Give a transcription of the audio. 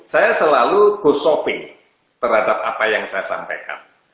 saya selalu go shopping terhadap apa yang saya sampaikan